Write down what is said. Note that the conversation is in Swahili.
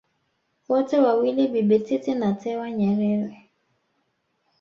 wote wawili Bibi Titi na Tewa Nyerere